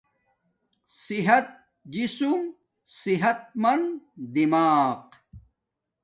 صحت جسم صحت مند دماغ